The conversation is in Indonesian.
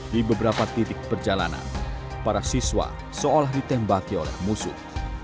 di beberapa titik perjalanan para siswa seolah ditembaki oleh musuh